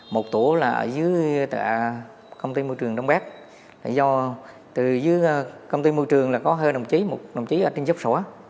một đồng chí ở trên dốc sổ